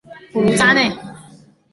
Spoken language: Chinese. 普卢扎内。